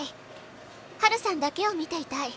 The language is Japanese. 「ハルさんだけを見ていたい」